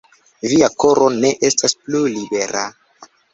Via koro ne estas plu libera.